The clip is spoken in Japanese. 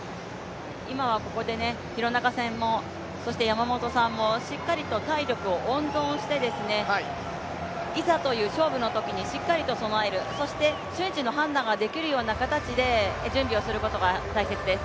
今はここで廣中さんも、山本さんもしっかりと体力を温存していざという勝負の時にしっかりと備える、そして瞬時の判断ができるような形で準備をすることが大切です。